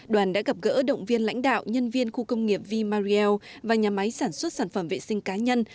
đoàn đã gặp gỡ động viên lãnh đạo nhân viên khu công nghiệp v mariel và nhà máy sản xuất sản phẩm vệ sinh cá nhân